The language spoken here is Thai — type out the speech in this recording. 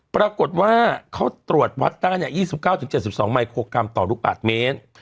ปรากฏว่าเขาตรวจวัดได้๒๙๗๒มิโครกรัมต่อลูกบาทเมตร